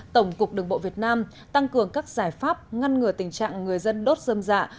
tổng cục đường bộ việt nam tăng cường các giải pháp ngăn ngừa tình trạng người dân đốt dơm dạ